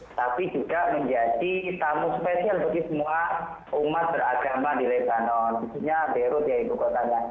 tapi juga menjadi tamu spesial bagi semua umat beragama di lebanon khususnya beirut ya ibu kotanya